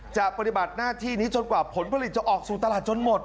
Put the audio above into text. ปฏิบัติหน้าที่นี้จนกว่าผลผลิตจะออกสู่ตลาดจนหมด